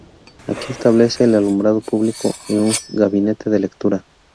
Aquí establece el alumbrado público y un gabinete de lectura.